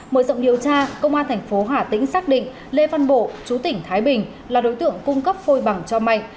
mở rộng điều tra công an thành phố hà tĩnh xác định lê văn bộ chú tỉnh thái bình là đối tượng cung cấp phôi bằng cho mạnh